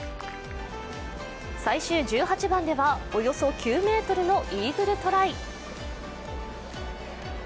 最終１８番ではおよそ９ｍのイーグルトライ。